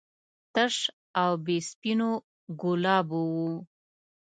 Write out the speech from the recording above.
تش او بې سپینو ګلابو و.